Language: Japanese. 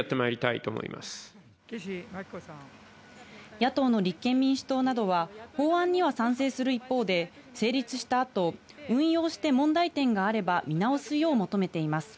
野党の立憲民主党などは、法案には賛成する一方で、成立した後、運用して問題点があれば見直すよう求めています。